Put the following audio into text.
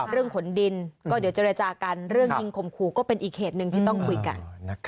ขนดินก็เดี๋ยวเจรจากันเรื่องยิงข่มขู่ก็เป็นอีกเหตุหนึ่งที่ต้องคุยกัน